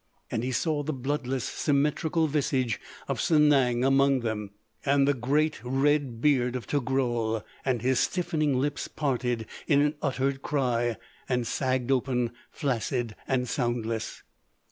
And he saw the bloodless, symmetrical visage of Sanang among them, and the great red beard of Togrul; and his stiffening lips parted in an uttered cry, and sagged open, flaccid and soundless.